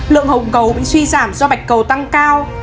lượng hồng cầu bị suy giảm do bạch cầu tăng cao